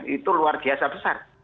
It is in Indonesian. itu luar biasa besar